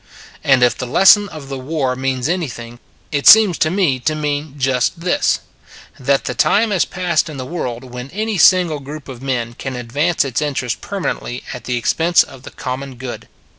And if the lesson of the war means any thing, it seems to me to mean just this : That the time has passed in the world when any single group of men can ad vance its interests permanently at the ex pense of the common good.